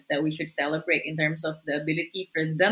tapi juga menang besar yang harus kita cita cita